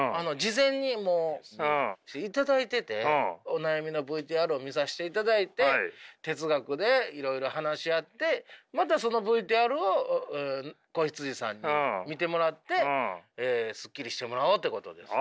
お悩みのＶＴＲを見さしていただいて哲学でいろいろ話し合ってまたそのＶＴＲを子羊さんに見てもらってすっきりしてもらおうということです。